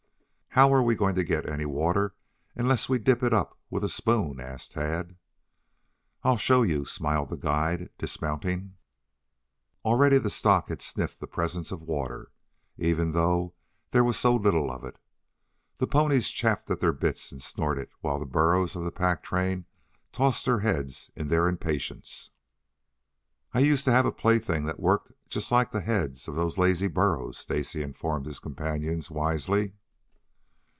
"How are we going to get any water unless we dip it up with a spoon?" asked Tad. "I'll show you," smiled the guide, dismounting. Already the stock had sniffed the presence of water, even though there was so little of it. The ponies chafed at their bits and snorted, while the burros of the pack train tossed their heads in their impatience. "I used to have a plaything that worked just like the heads of those lazy burros," Stacy informed his companions wisely.